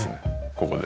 ここで。